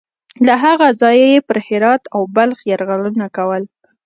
له هغه ځایه یې پر هرات او بلخ یرغلونه کول.